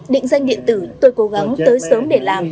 định danh điện tử tôi cố gắng tới sớm để làm